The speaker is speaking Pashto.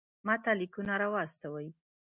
ماته لیکونه را واستوئ.